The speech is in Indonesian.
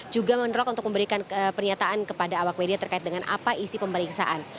juga mendorong untuk memberikan pernyataan kepada awak media terkait dengan apa isi pemeriksaan